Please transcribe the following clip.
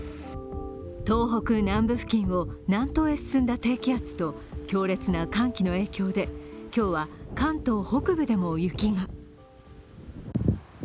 東北南部付近を南東へ進んだ低気圧と強烈な寒気の影響で今日は関東北部でも雪が。